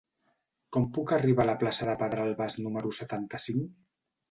Com puc arribar a la plaça de Pedralbes número setanta-cinc?